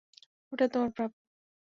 ওটা তোমার প্রাপ্য।